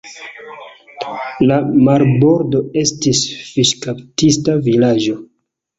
La marbordo estis fiŝkaptista vilaĝo.